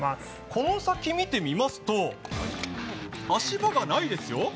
この先、見てみますと足場がないですよ。